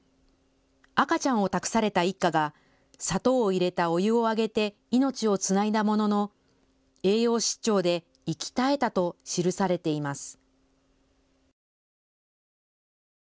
赤ちゃんを託された一家が砂糖を入れたお湯をあげて命をつないだものの栄養失調で息絶えたと記されています。